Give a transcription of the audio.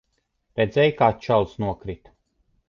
Redzēji, kā čalis nokrita?